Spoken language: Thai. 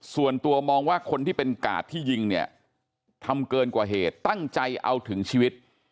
ส่วนตัวมองว่าคนที่เป็นกาดที่ยิงเนี่ยทำเกินกว่าเหตุตั้งใจเอาถึงชีวิต